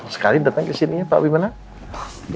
sekali datang kesini pak bagaimana